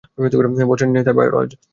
বজ্রের ন্যায় তার বায়ুর আওয়াজ।